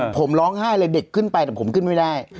ผมร้องไห้เลยเด็กขึ้นไปแต่ผมขึ้นไม่ได้